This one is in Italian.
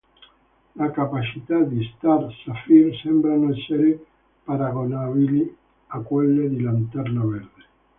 Le capacità di Star Sapphire sembrano essere paragonabili a quelle di Lanterna Verde.